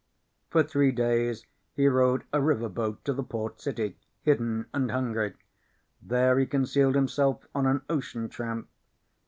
For three days he rode a river boat to the port city, hidden and hungry. There he concealed himself on an ocean tramp.